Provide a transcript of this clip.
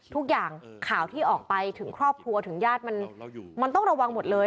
ทุกอย่างข่าวที่ออกไปถึงครอบครัวถึงญาติมันต้องระวังหมดเลย